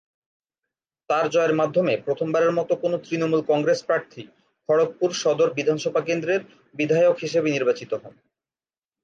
তার জয়ের মাধ্যমে প্রথমবারের মত কোনো তৃণমূল কংগ্রেস প্রার্থী খড়গপুর সদর বিধানসভা কেন্দ্রের বিধায়ক হিসেবে নির্বাচিত হন।